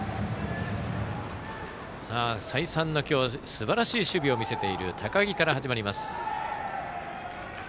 再三今日すばらしい守備を見せている高木から始まります。